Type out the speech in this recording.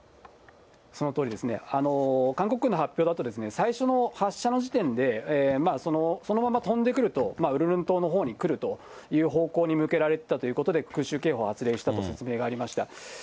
韓国軍の発表だと、最初の発射の時点で、そのまま飛んでくると、ウルルン島のほうに来るという方向に向けられてたということで、空襲警報を発令したと説明がありました。